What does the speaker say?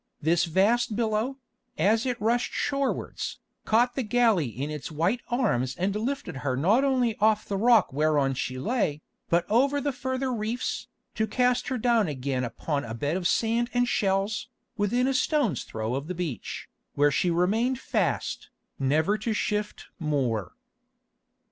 This vast billow, as it rushed shorewards, caught the galley in its white arms and lifted her not only off the rock whereon she lay, but over the further reefs, to cast her down again upon a bed of sand and shells, within a stone's throw of the beach, where she remained fast, never to shift more.